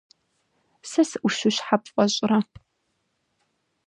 Сэ сыӀущу щхьэ пфӀэщӀрэ?